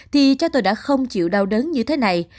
thì cha tôi đã không chịu đau đớn như thế này